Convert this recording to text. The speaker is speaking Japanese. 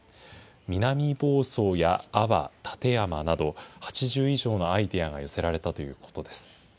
南房総や安房、館山など、８０以上のアイデアが寄せられたということです。